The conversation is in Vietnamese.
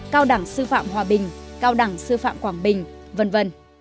cao đẳng sư phạm hòa bình cao đẳng sư phạm quảng bình v v